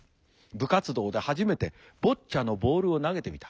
部活動で初めてボッチャのボールを投げてみた。